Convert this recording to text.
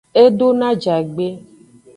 E do no ajagbe.